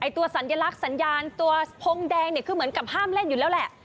ตัวสัญลักษณ์สัญญาณตัวพงแดงเนี่ยคือเหมือนกับห้ามเล่นอยู่แล้วแหละ